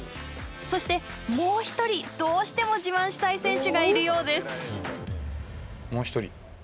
そして、もう一人、どうしても自慢したい選手がいるようです。